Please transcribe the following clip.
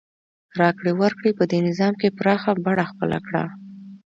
راکړې ورکړې په دې نظام کې پراخه بڼه خپله کړه.